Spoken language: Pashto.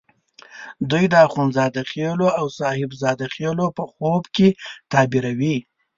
دوی د اخند زاده خېلو او صاحب زاده خېلو په خوب کې تعبیروي.